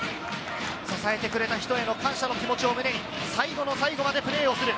支えてくれた人への感謝の気持ちを胸に、最後の最後までプレーをする。